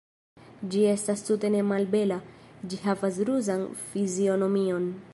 Ĝi estas tute nemalbela, ĝi havas ruzan fizionomion.